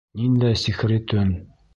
— Ниндәй сихри төн.